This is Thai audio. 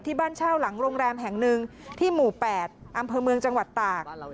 บ้านเช่าหลังโรงแรมแห่งหนึ่งที่หมู่๘อำเภอเมืองจังหวัดตาก